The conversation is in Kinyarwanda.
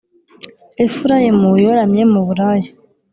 Efurayimu yoramye mu buraya,